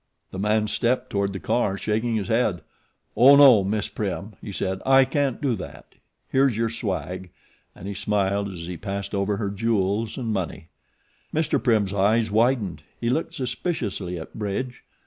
The man stepped toward the car, shaking his head. "Oh, no, Miss Prim," he said, "I can't do that. Here's your 'swag.'" And he smiled as he passed over her jewels and money. Mr. Prim's eyes widened; he looked suspiciously at Bridge.